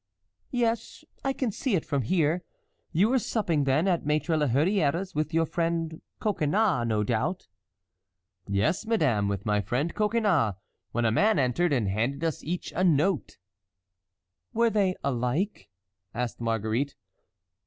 "Yes, I can see it from here. You were supping, then, at Maître La Hurière's with your friend Coconnas, no doubt?" "Yes, madame, with my friend Coconnas, when a man entered and handed us each a note." "Were they alike?" asked Marguerite.